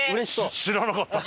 知らなかった。